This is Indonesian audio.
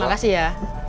terima kasih ya